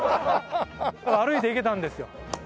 歩いて行けたんですよ。